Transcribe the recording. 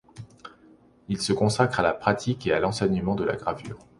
Il se consacre à la pratique et à l'enseignement de la gravure.